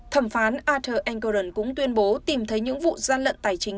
thẩm phán arthur engelmann cũng tuyên bố tìm thấy những vụ gian lận tài chính